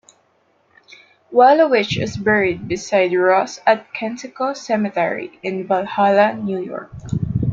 Wallowitch is buried beside Ross at Kensico Cemetery in Valhalla, New York.